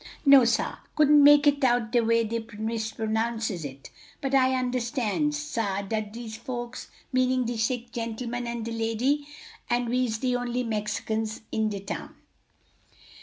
"No, sah, couldn't make it out de way dey dispronounces it. But I understands, sah, dat dese folks meanin' de sick gentleman and de lady and we's de only 'Mericans in de town."